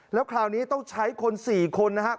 แล้วคราวนี้ต้องใช้คน๔คนนะครับ